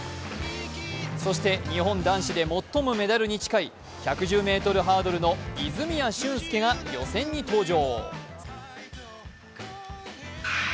そして日本男子で最もメダルに近い１１０ｍハードルの泉谷駿介が予選に登場。